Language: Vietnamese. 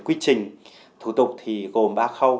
quy trình thủ tục thì gồm ba khâu